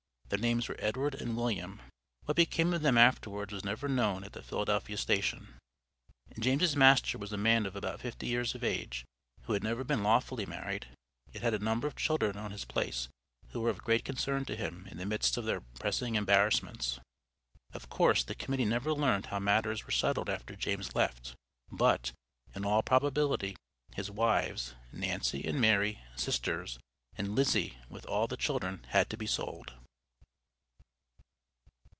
Their names were Edward and William. What became of them afterwards was never known at the Philadelphia station. James's master was a man of about fifty years of age who had never been lawfully married, yet had a number of children on his place who were of great concern to him in the midst of other pressing embarrassments. Of course, the Committee never learned how matters were settled after James left, but, in all probability, his wives, Nancy and Mary (sisters), and Lizzie, with all the children, had to be sold.